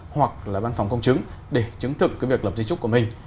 hoặc là văn phòng công chứng để chứng thực việc lập di trúc của mình